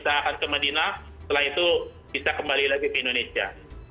mereka juga bisa akan ke medina setelah itu bisa kembali lagi ke indonesia